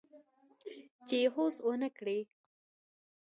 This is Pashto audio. چې هوس ونه کړي